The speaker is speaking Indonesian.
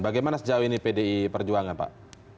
bagaimana sejauh ini pdi perjuangan pak